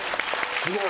すごい。